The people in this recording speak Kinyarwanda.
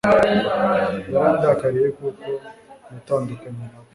Yarandakariye kuko natandukanye na we.